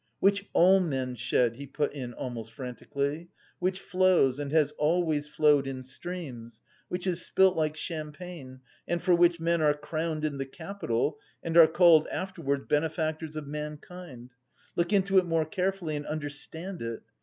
"Which all men shed," he put in almost frantically, "which flows and has always flowed in streams, which is spilt like champagne, and for which men are crowned in the Capitol and are called afterwards benefactors of mankind. Look into it more carefully and understand it!